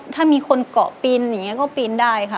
ถ้ามีคนเกาะปีนอย่างนี้ก็ปีนได้ค่ะ